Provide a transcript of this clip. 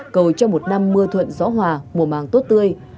cầu cho một năm mưa thuận gió hòa mùa màng tốt tươi